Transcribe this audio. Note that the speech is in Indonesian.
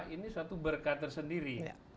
ini suatu berkah tersendiri